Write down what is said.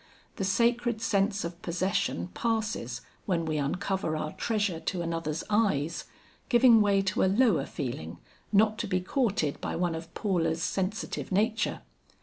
The sacred sense of possession passes when we uncover our treasure to another's eyes, giving way to a lower feeling not to be courted by one of Paula's sensitive nature.